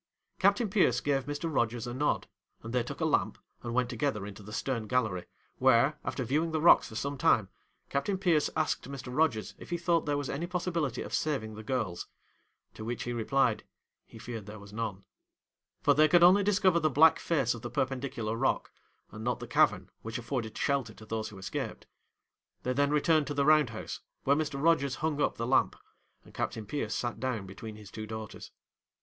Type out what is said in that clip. Captain Pierce gave Mr. Rogers a nod, and they took a lamp and went together into the stern gallery, where, after viewing the rocks for some time, Captain Pierce asked Mr. Rogers if he thought there was any possibility of saving the girls; to which he replied, he feared there was none; for they could only discover the black face of the perpendicular rock, and not the cavern which afforded shelter to those who escaped. They then returned to the round house, where Mr. Rogers hung up the lamp, and Captain Pierce sat down between his two daughters.